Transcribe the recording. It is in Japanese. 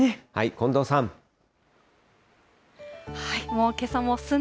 近藤さん。